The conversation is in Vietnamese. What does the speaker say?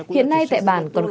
hiện nay tại bản cương tây